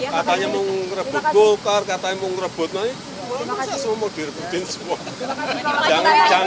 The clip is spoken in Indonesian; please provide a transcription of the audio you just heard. katanya mau ngerebut bolkar katanya mau ngerebut nanti semua mau direbutin semua